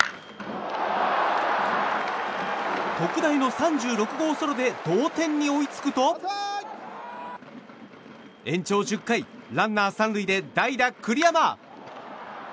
特大の３６号ソロで同点に追いつくと延長１０回、ランナー３塁で代打、栗山。